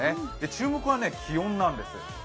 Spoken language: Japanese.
注目は気温なんです。